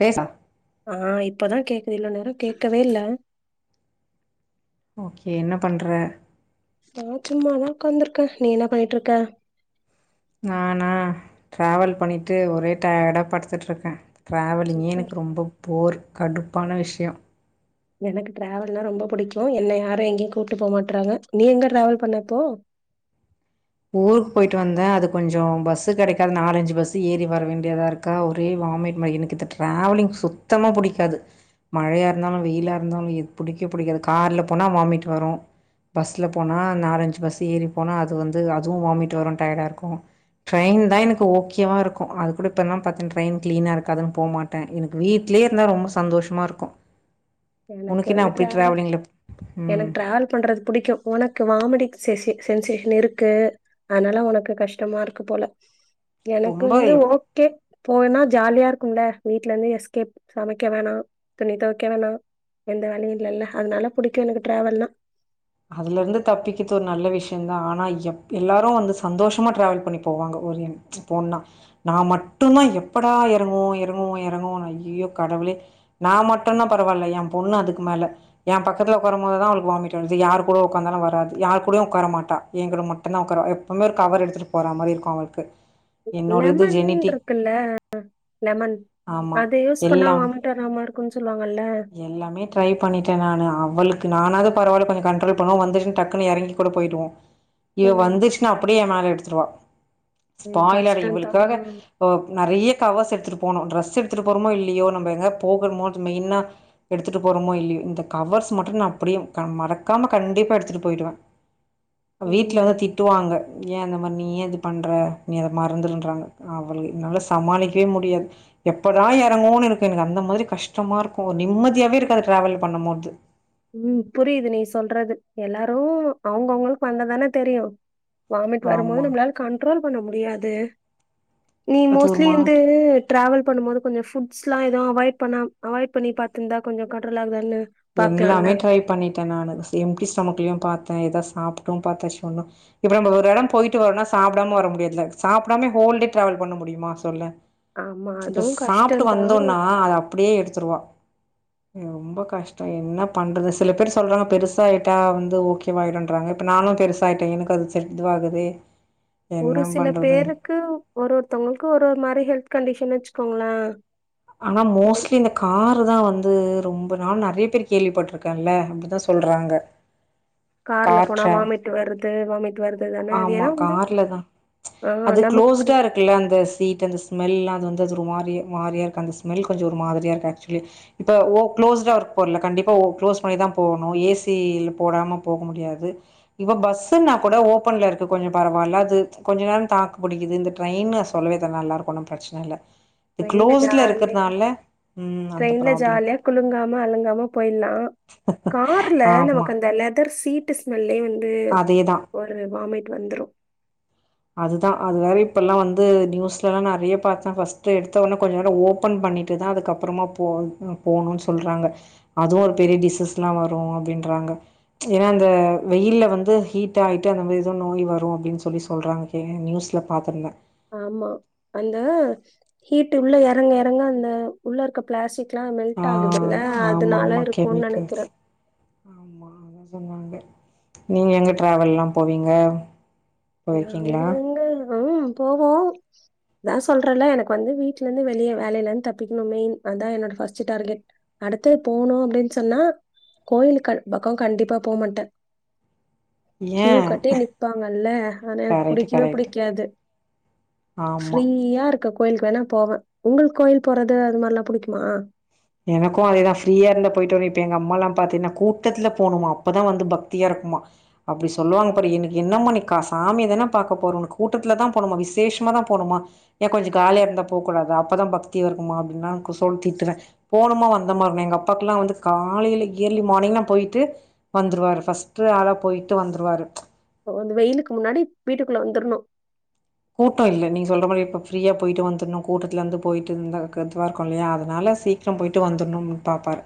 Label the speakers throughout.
Speaker 1: பேசா
Speaker 2: ஆ இப்பதா கேக்குது இவளோ நேர கேக்கவே இல்ல
Speaker 1: ஓகே என்ன பண்ற
Speaker 2: நான் சும்மாதான் உட்காந்துருக்கேன் நீ என்ன பண்ணிட்டு இருக்க
Speaker 1: நானா டிராவல் பண்ணிட்டு ஒரே டயர்டா படுத்துட்டு இருக்கேன் ட்ராவலிங்கே
Speaker 2: சூப்பர்
Speaker 1: எனக்கு ரொம்ப போர் கடுப்பான விஷயம்
Speaker 2: எனக்கு டிராவல்னா ரொம்ப பிடிக்கு என்ன யாரு எங்கேயு கூப்ட்டு போ மாட்றாங்க நீ எங்க டிராவல் பண்ண இப்போ
Speaker 1: ஊருக்கு போயிட்டு வந்தே அது கொஞ்சம் பஸ்சு கிடைக்காது நாலஞ்சு பஸ் ஏறி வர வேண்டியதா இருக்கா ஒரே வாமிட் ம எனக்கு டிராவலிங் சுத்தமா பிடிக்காது மழையா இருந்தாலு வெயிலா இருந்தாலு பிடிக்க பிடிக்காது கார்ல போனா வாமிட் வரு பஸ்ல போனா நாலஞ்சு பஸ் ஏறி போனா அது வந்து அது அதுவு வாமிட் வரு டயர்டா இருக்கு ட்ரெயின் தா எனக்கு ஓகேவா இருக்கு அது கூட இப்பலா பாத்தன் ட்ரெயின் கிளீனா இருக்காதுன்னு போ மாட்டே எனக்கு வீட்லயே இருந்தா ரொம்ப சந்தோஷமா இருக்கும்
Speaker 2: எனக்கு வந்து டிராவல்
Speaker 1: ம்
Speaker 2: எனக்கு டிராவல் பண்றது புடிக்கு உனக்கு வாமிடிக் சிசி சென்சேஷன் இருக்கு அதனால உனக்கு கஷ்டமா இருக்கு போல எனக்கு வந்து
Speaker 1: ரொம்ப
Speaker 2: ஓகே போனா ஜாலியா இருக்கும்ல வீட்ல இருந்து எஸ்கேப் சமைக்க வேணா துணி தொவைக்க வேணா எந்த வேலையு இல்லல்ல அதனால புடிக்கு எனக்கு டிராவல்னா
Speaker 1: அதுல இருந்து தப்பிக்கிறது ஒரு நல்ல விஷயம்தா ஆனா எப் எல்லாரு வந்து சந்தோஷமா டிராவல் பண்ணி போவாங்க ஒரு போனா நா மட்டும்தா எப்படா எறங்குவோ எறங்குவோ எறங்குவோன் ஐயோ கடவுளே நா மட்டும்னா பரவால்ல என் பொண்ணு அதுக்கு மேல என் பக்கத்துல உட்காரும் போது தா அவளுக்கு வாமிட் வரு அது யார் கூட உக்காந்தாலு வராது யார் கூடயு உட்கார மாட்டா என் கூட மட்டும்தா உட்காருவா எப்பவுமே ஒரு கவர் எடுத்துட்டு போற மாரி இருக்கு அவளுக்கு என்னோட இது
Speaker 2: லெமன்
Speaker 1: ஜெனிட்டிக்
Speaker 2: இருக்குல்ல லெமன்
Speaker 1: ஆமா
Speaker 2: அது யூஸ் பண்ணா
Speaker 1: எல்லாம்
Speaker 2: வாமிட் வராம இருக்குன்னு சொல்வாங்கல்ல
Speaker 1: எல்லாமே ட்ரை பண்ணிட்டே நானு அவளுக்கு நானாவது பரவால்ல கொஞ் கண்ட்ரோல் பண்ணோ வந்துட்டு டக்குன்னு எறங்கி கூட போயிடுவோ இவ
Speaker 2: ம்.
Speaker 1: வந்துச்சுன்னா அப்டியே என் மேல எடுத்துருவா
Speaker 2: ஐயோ!
Speaker 1: பாய்லர்
Speaker 2: கஷ்டம் தான்.
Speaker 1: இவளுக்காக அ நெறைய கவர்ஸ் எடுத்து போனோ டிரெஸ் எடுத்துட்டு போறோமோ இல்லையோ நம்ம எங்காது போகறபோது மெயினாக எடுத்துட்டு போறோமோ இல்லையோ இந்த கவர்ஸ் மட்டும் நா அப்டியே க மறக் க்காம கண்டிப்பா எடுத்துட்டு போயிடுவே வீட்ல
Speaker 2: ம்.
Speaker 1: வந்து திட்டுவாங்க ஏ அந்த மாரி நீ ஏ இது பண்ற நீ அத மறந்துருன்றாங்க அவளுக்கு என்னால சமாளிக்கவே முடியாது எப்படா எறங்குவோன்னு இருக்கு எனக்கு அந்த மாரி கஷ்டமா இருக்கு ஒரு நிம்மதியாவே இருக்காது டிராவல் பன்னும் போது
Speaker 2: உம் புரியுது நீ சொல்றது எல்லாரு அவங்கவுங்களுக்கு வந்ததானே தெரியு வாமிட் வரும்போது
Speaker 1: ஆமா
Speaker 2: நம்மளால கண்ட்ரோல் பண்ண முடியாது நீ
Speaker 1: அது ஒரு
Speaker 2: மோஸ்லி வந்து
Speaker 1: மாதிரி
Speaker 2: டிராவல் பண்ணும் போது கொஞ்ச புட்ஸ்லா லா அவாய்ட் பண்ண அவாய்ட் பண்ணி பாத்திருந்தா கொஞ்ச கண்ட்ரோலாகலால்ல பக்
Speaker 1: எல்லாமே ட்ரை பண்ணிட்டே நானு எம்டி ஸ்டமக்குலயு பாத்தேன் ஏதா சாப்பிட்டு பாத்தாச்சு ஒன்னு இப்ப நம்ம ஒரு எடம் போயிட்டு வரோனா சாப்டாம வர முடியாதுல சாப்டாமே ஹோல் டே டிராவல் பண்ண முடியுமா சொல்லு
Speaker 2: ஆமா.
Speaker 1: இப்ப
Speaker 2: அதுவும்
Speaker 1: சாப்ட்டு
Speaker 2: கஷ்டம் தான்.
Speaker 1: வந்தோனா அத அப்டியே எடுத்துருவா ரொம்ப கஷ் டோ என்ன பண்றது சில பேர் சொல்றாங்க பெருசாயிட்டா வந்து ஓகேவாயிடன்றறாங்க இப்ப நானு பெருசாயிட்டே எனக்கு அது சரி இதுவாகுதே
Speaker 2: ஒரு சில பேருக்கு ஒரு ஒருஒருத்தவங்களுக்கு ஒரு ஒரு மாரி ஹெல்த் கண்டிஷ என்ன வச்சுக்கோங்களே
Speaker 1: ஆனா மோஸ்ட்லி இந்த காரு தா வந் ந்து ரொம்ப நா நெறைய பேர் கேள்விப்பட்டிருக்கேன்ல அப்டிதா சொல்றாங்க.
Speaker 2: கார்ல
Speaker 1: கார்
Speaker 2: போனா
Speaker 1: ட்ரா
Speaker 2: வாமிட் வருது வாமிட் வருது தானே. அது
Speaker 1: ஆமா
Speaker 2: ஏன்னா
Speaker 1: கார்லதா
Speaker 2: ஆ
Speaker 1: அது
Speaker 2: நமக்கு
Speaker 1: க்ளோஸ்டா இருக்குல்ல அந்த சீட் அந்த ஸ்மெல்லா வந்து தஜொரு மாரி மாரியா இருக்கு. அந்த ஸ்மெல் கொஞ்சோ ஒரு மாதிரியா இருக்கு ஆக்சுலி. இப்போ ஒ குளோஸ்டா இருக்குல கண்டிப்பா ஒ க்ளோஸ் பண்ணிதா போணு. ஏசி இல போடாம போக முடியாது. இவ பஸ்ன்னா கொட ஓ ப்பன்ல இருக்கு கொஞ்சோ பரவால்ல. அது ம்ச் கொஞ்ச நேரோ தாக்கு புடிக்குது. இந்த ட்ரெயினு சொல்லவே தே நல்லா இருக்கு ஒன்னு பிரச்ன இல்ல. இது
Speaker 2: ட்ரெய்ன்ல
Speaker 1: க்ளோஸ்ட்ல
Speaker 2: ஜாலியா
Speaker 1: இருக்கறனால ம் அந்த
Speaker 2: ட்ரெய்ன்ல
Speaker 1: ப்ராப்ளம்
Speaker 2: ஜாலியா குழுங்காம அழுங்காம போய்ட்லா. கார்ல
Speaker 1: ஆமா
Speaker 2: நமக்கு அந்த லெதர் சீட் டு ஸ்மெ உள்ளயே வந்து
Speaker 1: அதேதா
Speaker 2: ஒரு வாமிட் வந்துரு
Speaker 1: அதுதா அது வேற இப்பல்லா வந்து நியூஸ்லல்லா நெறைய பாத்த. ஃப்ஸ்ட்டு எடுத்த உன கொஞ்சோண்ட ஓபன் பண்ணிட்டுதா அதுக்கப்றமா போ போணுனு சொல்றாங்க. அதுவு ஒரு பெரிய டிசிஸ்ல்லா வரு அப்டின்றாங்க. ஏனா அந்த வெயில்ல வந்து ஹீட் ஆயிட்டு அந்த மாரி ஏதோ நோய் வரூ அப்டின் சொல்லி சொ சொல்றாங்க சேரின் நியூஸ்ல பாத்துருந்த.
Speaker 2: ஆமா அந்த ஹீட்டு உள்ள எறங்க எறங்க அந்த உள்ள இருக்க பிளாஸ்டிக் ல்லா மெல்ட்
Speaker 1: ஆ
Speaker 2: ஆகுதுல
Speaker 1: ஆமா
Speaker 2: அதனால
Speaker 1: ஆமா
Speaker 2: இருக்கூன் நெனைக்கிற.
Speaker 1: கெமிக்கல்ஸ் ஆமா அதா சொன்னாங்க நீங்க எங்க டிராவல் ல்லா போவீங்க
Speaker 2: நாங்க
Speaker 1: போயிருக்கீங்களா
Speaker 2: எங்க உஹ்ம் போவோ. அதா சொல்றல்ல எனக்கு வந்து வீட்லந்து வெளிய வேலைல இந்து தப்பிக்ணு. மெயின் அதா என்னோட ஃபர்ஸ்ட் டார்கெட். அடுத்து போணு அப்டின் சொன்னா கோயிலுக்கு பக்கோ கண்டிப்பா போமாட்ட.
Speaker 1: ஏ
Speaker 2: க்யூ கட்டி நிப்பாங்கல்ல. அது எனக்கு
Speaker 1: கரெக்ட்
Speaker 2: புடிக்வும்
Speaker 1: கரெக்ட்
Speaker 2: புடிக்காது.
Speaker 1: ஆமா
Speaker 2: ஃப்ரிய்யா இருக்க கோயில்க்கு வேணா போவ உங்களுக் கோயில் போறது அது மாரில்லா புடிக்குமா
Speaker 1: எனக்கு அதேதா. ஃப்ரீயா இருந்த போய்ட்டு வருவ இப்ப எங்க அம்மா லாம் பாத்தீன்னா கூட்டத்ல போனுமா அப்பதா வந்து பக்தியா இருக்குமா. அப்டி சொல்லுவாங்க பாரு என்க்கு என்னம்மா நீ க சாமியதான பாக்க போற உனுக்கு கூட்டத்துலதா போணுமா, விசேஷ்மாதா போணுமா ஏ போனமா வந்த மாருக்கணு. எங்க அப்பாக்ல்லா வந்து காலைல இயர்லி மார்னிங்லா போய்ட்டு வந்துருவாரு. ஃபர்ஸ்டு ஆளா போய்ட்டு வந்துருவாரு. ம்ச்
Speaker 2: வந்து வெய்லுக்கு முன்னாடி வீட்டுக்குள்ள வந்துர்ணு.
Speaker 1: கூட்டோ இல்ல. நீங்க சொல்ற மாரி இப்ப ஃப்ரீயா போய்ட்டு வந்துர்ணு. கூட்டத்திலந்து போய்ட்டு இந்தா க இதுவா இருக்கு இல்லயா, அதனால சீக்ரோ போய்ட்டு வந்துர்ணும்ன் பாப்பாரு.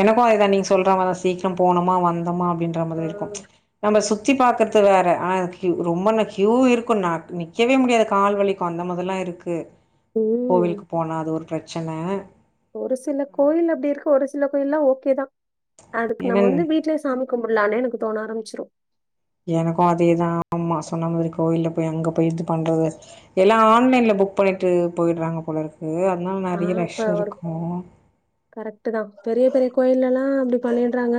Speaker 1: எனக்கூ அதேதா நீங் சொல்ற மாதான் சீக்ரோ போனமா வந்தமா அப் டீன்ற
Speaker 2: ஆ,
Speaker 1: மாரே இருக்கு. நம்ம சுத் சுத்தி பாக்கறது வேற ஆ க்யூ ரொம்ப ந க்யூ இருக்கு. நா வக்கவே முடியாது கால் வலிக்கு. அந்தமாதில்லா இருக்கு
Speaker 2: உம்
Speaker 1: கோவிலுக்கு போனா அது ஒரு பிரச்சன
Speaker 2: ஒரு சில கோயில் அப்டி இருக்கு. ஒரு சில ப்ப எல்லா ஓக்கேதா அதுக்கு நம்ம
Speaker 1: என்னன்
Speaker 2: வந்து வீட்லே சாமி கும்பட்லானே எனக்கு தோண ஆரம் ச்சுரு
Speaker 1: எனக்கூ அதேதா அம்மா சொன்ன மாரி கோயில்ல போய் அங்க போய் இது பண்றது எல்லா ஆன்லைன்ல புக் பண்ணிட்டு போயிட்றாங்க போலருக் கு அதனால
Speaker 2: ஆ
Speaker 1: நெறைய
Speaker 2: இப்ப
Speaker 1: ரஷ்
Speaker 2: ஒரு
Speaker 1: இருக்கூ.
Speaker 2: கரெக்ட் தான் பெரிய பெரிய கோயில்லெல்லா அப்டி பண்ணிட்றாங்க.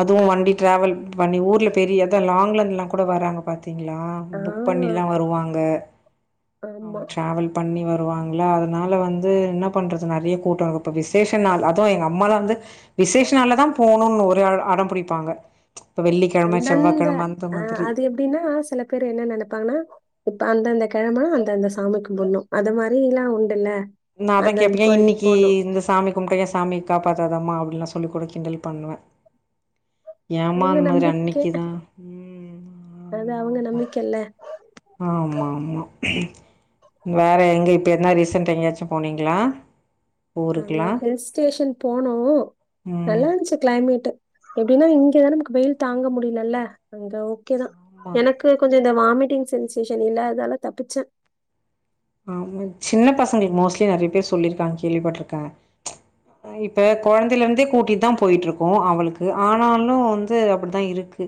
Speaker 1: அதுவு வண்டி டிராவல் பண்ணி ஊர்ல பெரிய எது லாங்லந்துல்லா கூட வராங்க பாத்து த்திங்களா
Speaker 2: ஆ
Speaker 1: புக் பண்ணிலா வருவாங்க. அவங்க
Speaker 2: ஆமா
Speaker 1: டிராவல் பண்ணி வரும் வருவாங்களா அதனால வந்து என்ன பண்றது நெறய கூட்டோருப்ப விசேஷ நாள் அதுவு எங்க அம்மால வந்து விசேஷ நாள்தா போணுனுவ அடம் பிடிப்பாங்க இப்போ வெள்ளிக்கிழம
Speaker 2: அந்தந்த
Speaker 1: செவ்வாய்க்கிழம அந்த
Speaker 2: அஹ்
Speaker 1: மாதிரி
Speaker 2: அது எப்டினா சில பேரு என்ன நினைப்பாங்கனா இப்ப அந்தந்த கிழம அந்தந்த சாமி கும்பிடணு அது மாரி எல்லா உண்டுல்ல
Speaker 1: நா அதா
Speaker 2: அந்தந்த
Speaker 1: கேப்ப
Speaker 2: கோயிலுக்கு
Speaker 1: இன்னைக்கு
Speaker 2: போணு
Speaker 1: இந்த சாமி கும்பிட்டா ஏ சாமி காப்பாத்தாதாமா அப்படின்ல்லா சொல்லி கூட கிண்டல் பண்ணுவ
Speaker 2: அவுங்க நம்பிக்கை
Speaker 1: ம்
Speaker 2: அது
Speaker 1: ஆமாம்
Speaker 2: அவுங்க
Speaker 1: ஆமாம்
Speaker 2: நம்பிக்கைல்ல
Speaker 1: ஆமா ஆமா வேற எங்க இப்ப என்ன ரீசன்ட் எங்கேயாச்சும் போனீங்ளா
Speaker 2: அங்க ஹில் ஸ்டேஷன் போனோ
Speaker 1: ம்
Speaker 2: நல்லா இருந்ச்சு கிளைமேட் எப்டினா இங்கதானே நமக்கு வெயில் தாங்க முடியலல்ல அங்க ஓகேதா
Speaker 1: ஆமா
Speaker 2: எனக்கு கொஞ்சோ இந்த வாமிட்டிங் சென்சேஷன் இல்லாதாதனால தப்பிச்ச
Speaker 1: ஆமா சின்ன பசங்களுக்கு மோஸ்ட்லி நெறயா பேர் சொல்லிருக்காங்க கேள்விப்பட்டிருக்க ப்ச் இப்ப கொழந்தையில இருந்தே கூட்டிட்டுதா போயிட்டு இருக்கோ அவளுக்கு ஆனாலு வந்து அப்படித்தா இருக்கு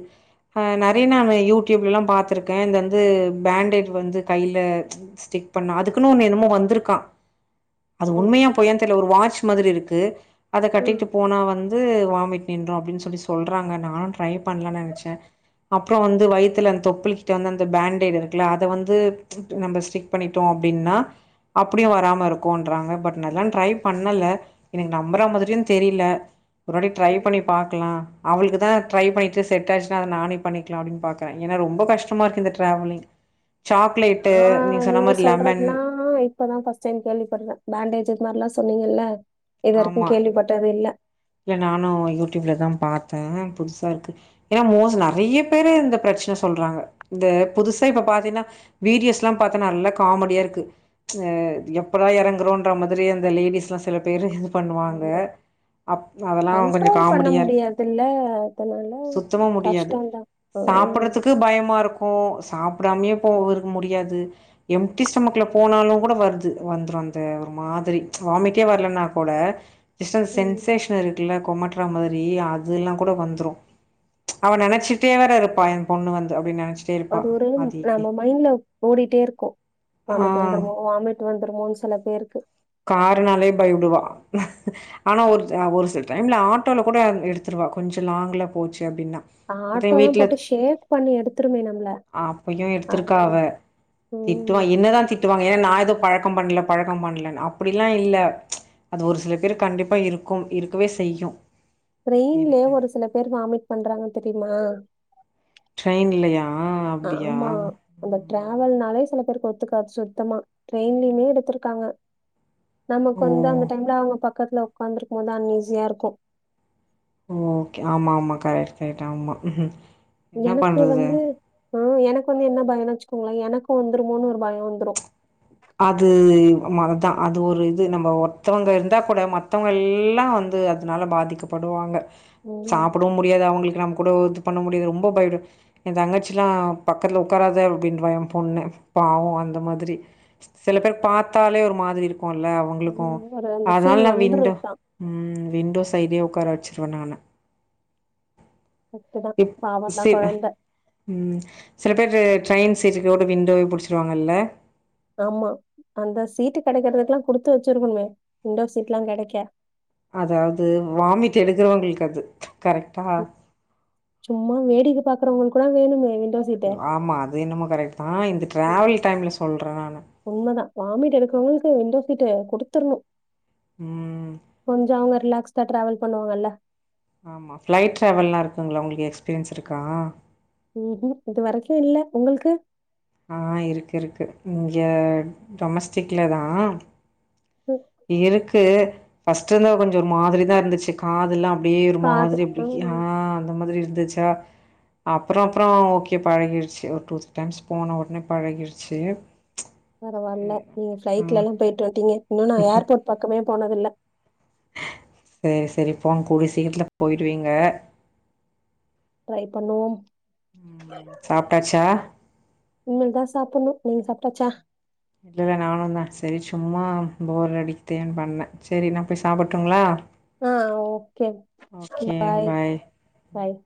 Speaker 1: ஆஹ் நெறய நான் யூடியூப்ல எல்லா பாத்திருக்க இந்தந்து பேண்டேட் வந்து கையில ப்ச் ஸ்டிக் அப்பண்ணா அதுக்குன்னு ஒன்னு என்னமோ வந்திருக்கா அது உண்மையா பொய்யா தெரியல ஒரு மாரி ச்சு மாரி இருக்கு அத
Speaker 2: ம்
Speaker 1: கட்டிட்டு போனா வந் து வாமிட் நின்று அப்டினு சொல்லி சொல்றாங்க நானு ட்ரை பண்ணலானு நெனச்ச அப்புறோ வயித்துல அந்த தொப்புள்கிட்ட அந்த அந்த பேண்டைட் இருக்கல்ல அதவந்து ப்ச் நம்ம பண்ணிட்டோ அப்படின்னா அப்படியு வராம இருக்குன்றாங்க பட் நா எல்லா ட்ரை பண்ணல எனக்கு நம்பற மாரியு தெரியல ஒரு வாட்டி ட்ரை பண்ணி பாக்கலா அவளுக்கு இதா ட்ரை பண்ணிட்டு செட் ஆச்சுானா அத நானே பண்ணிக்கலானு பாக்க ஏனா ரொம்ப கஷ்டமா இருக்கு இந்த டிராவலிங் சாக்லேட்டு
Speaker 2: ஆ
Speaker 1: நீ
Speaker 2: நீங்க சொல்றதுல்லா இப்பதா பஸ்ட் டைம் கேள்விப்படுற பேண்டேஜ் [unintelligible] சொன்னீங்கல்ல இதுவரைக்கு
Speaker 1: ஆமா
Speaker 2: கேள்விப்பட்டது இல்ல
Speaker 1: இல்ல நானு யூடியூப்ல எல்லா பாத்த புதுசா இருக்கு ஏனா மோஸ் நெறயா பேரு இந்த பிரச்சன சொல்றாங்க இந்த புதுசா இப்ப பாத்தீங்கன்னா வீடியோஸ் எல்லா பாத்த நல்லா காமெடியா இருக்கு ப்ச் எப்பதா இறங்குறோன்ற மாரி அந்த லேடிஸ் எல்லா சில பேரு பண்ணுவாங்க
Speaker 2: ஆமா.
Speaker 1: அப் அதெல்லா கொஞ்சோ
Speaker 2: கண்ட்ரோல் பண்ண
Speaker 1: காமெடியா இருக்கு
Speaker 2: முடியாதுல்ல அதனால
Speaker 1: சுத்தமா
Speaker 2: கஷ்டோந்தா ஹ்ம்
Speaker 1: மாருக்கு சாப்பிடாமேயே போவர்க்கு முடியாது எம்டி ஸ்டொமக்ல போனாலு கூட வருது வந்துரு அந்த மாதிரி ப்ச் வாமிட்டே வர்லனா கூட டிஸ்டன்ஸ்
Speaker 2: ம்.
Speaker 1: சென்ஸ் ற்று இருக்குல்ல கொமட்டர மாரி அதுல்லா கூட வந்துரு அவ ப்ச் நெனைச்சிட்டே வேற வர இருப்பா எ பொண்ணு வந்து அப்படினு நெனைச்
Speaker 2: அது ஒரு நம்ம மைண்ட்ல ஓடிட்டே இருக்கு
Speaker 1: ஆ
Speaker 2: வாமிட் வந்துருமோ வாமிட் வந்துருமோனு சில பேருக்கு
Speaker 1: காருனாலே பயபடுவா ஆனா ஒரு ஒரு சில டைம்ல ஆட்டோல கூட எடுத்துருவா கொஞ்சோ லாங்ல போச் சுனா அப்டினா அப்ப
Speaker 2: ஆட்டோ தான்
Speaker 1: வீட்ல
Speaker 2: போட்டு ஷேக் பண்ணி எடுத்துருமே நம்மள
Speaker 1: ஆ அப்பையு எடுத்திருக்கா அவ
Speaker 2: அதெல்லாம்
Speaker 1: திட்டுவா
Speaker 2: ம்
Speaker 1: என்னதா திட்டுவாங்க ஏனா நா து பழக்கம் பண்ல பழக்கம் பண்லனு அ ப்டிலா இல்ல அது ஒரு சில பேர்க் கண்டிப்பா இருக்கும் இருக்கவே செய்யு
Speaker 2: ட்ரெய்ன்லியே
Speaker 1: எனக்கு
Speaker 2: ஒரு சில பேர் வாமிட் பண்றாங்க தெரிமா
Speaker 1: ட்ரெய்ன்லயா
Speaker 2: ஆமா அந்த ட்ரவெல்னாலே சில பேர் ஒத்துக்காது சுத்தமா ட்ரெய்ன்லிமே எடுத்துருக்காங்க நமக்கு
Speaker 1: ஓ
Speaker 2: வந்து அந்த டைம்ல அவுங்க ப க்கத்துல ஒக்காந்திருக்கும் போது அன்னிஸியாருக்கூ
Speaker 1: ஓகே ஆமா ஆமா கரெட் கரெட் ஆம்மா
Speaker 2: எனக்கு வந்து ஆ எனக்கு வந்து என்ன பயோனா வெச் கோங்ளே எனக்கூ வந்துருமோன் ஒரு பயோ வந்துரு
Speaker 1: அது மரிதா அது ஒரு இது நம்ப ஒர்த்தவங்க இர்ந்தா கூட மத்தவங்க எல்லா வந்து அதுனால பாதிக்கப்படுவாங்க
Speaker 2: ம்
Speaker 1: சாப்டவு முடியாது அவுங்களுக்கு நம் கூடொ இது பண்ண முடியாது ரொம்ப பயப்படு எந் தங்கச்சிலா பக்கத்ல உக்காராத அப்டின்ருவா எம் பொண்ண பாவோ அந்த மாதிரி சி சில பேர் பாத்தாலே ஒரு மாதிரி இருக் குல்ல அவுங்ளுக்கு
Speaker 2: ம், ஒரு அந்த
Speaker 1: அதனால
Speaker 2: ஃபீல்
Speaker 1: நா விண்டோ
Speaker 2: வந்துரும் தான்
Speaker 1: ம் விண்டோஸ் சைடே உக்கார வெச்சிருவ நானு
Speaker 2: கரெக்ட் தான்
Speaker 1: இப்
Speaker 2: பாவம் தான்
Speaker 1: சி
Speaker 2: குழந்தை
Speaker 1: ம் சில பேரு ட்ரெயின் சீட்டுக்கோட விண்டோவே புடிச்சிருவாங்கல்ல
Speaker 2: ஆமா அந்த சீட்டு கெடைக்கறதுக்லா குடுத்து வெச்சிருக்குணுமே விண்டோ சீட்லா கெடைக்க
Speaker 1: அதாவ்து வாமிட் எடுக்கறவங்கள்க்கு அது கரெக்டா
Speaker 2: ம், சும்மா வேடிக்க பாக்கறவங்களுக்லா வேணுமே வின்
Speaker 1: ஆமா அது என்னமோ கரெக்ட் தா இந்த
Speaker 2: ம்
Speaker 1: டிரேவல் டைம்ல சொல்ற நானு
Speaker 2: தீட்டு குடுத்தர்ணு
Speaker 1: ம்.
Speaker 2: கொஞ்சோ அவுங்க ரிலாக்ஸ் தா ட்ரேவல் பண்ணுவாங்கல்ல
Speaker 1: ஆமா ஃபிளைட் ட்ரேவல்லா இருக்குங்ளா உங்ள்க் எக்ஸ்பீரியன்ஸ்ருக்கா
Speaker 2: ம்ஹூம் இது வரைக்கு இல்ல உங்குள்க்கு
Speaker 1: ஆ இருக்கு இருக்கு இங்க டொமஸ்டிக்ல தா
Speaker 2: ம்,
Speaker 1: இருக்கு ஃபஸ்ட்டு வந்து கொஞ்சோ ஒரு மாதிரி தா இருந்துச்சு காதல்லா அப்டியே ஒரு
Speaker 2: காது
Speaker 1: மாதிரி அப்டி யா
Speaker 2: ம்.
Speaker 1: அந்த மாதிரி இரு துச்சா அப்றோ அப்றோ ஓகே பழகிர்ச்சு ஒரு டூ த்ரீ டைம்ஸ் போன ஒட்னே பழகிருச்சு
Speaker 2: பரவால்ல நீங்க ஃப்ளைட்ல எல்லா போய்ட்டு வந்ட்டீங்க இன்னு நா ஏர்போட் பக்கமே போனதில்ல
Speaker 1: சேரி சேரி போங் கூடிய சீக்கிரத்தில போயிருவீங்க
Speaker 2: ட்ரை பண்ணுவோம்
Speaker 1: ம் சாப்ட்டாச்சா
Speaker 2: இனிமேல் தா சாப்புட்ணு நீங் சாப்ட்டாச்சா
Speaker 1: இல்லல்ல நானு தா செரி சும்மா போர் அடிக்த்தேன் பண்ணே செரி நா போய் சாப்பட்டுங்களா
Speaker 2: ஆ ஓகே பாய் பாய்